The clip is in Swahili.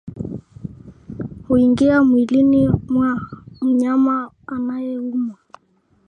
huingia mwilini mwa mnyama anayeumwa